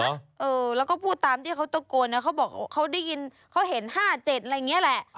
เออแล้วก็พูดตามที่เขาตะโกนอ่ะเขาบอกเขาเห็น๕๗อะไรเนี่ยล่ะ